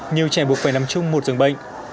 nhiều trẻ buộc phải nằm chung một dường bệnh